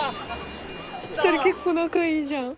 ２人結構仲いいじゃん。